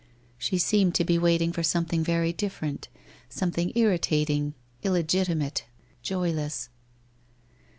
She seemed to be waiting for something very different, something irritating, illegiti mate, joyless.